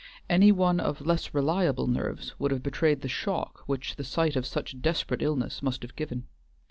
Any one of less reliable nerves would have betrayed the shock which the sight of such desperate illness must have given.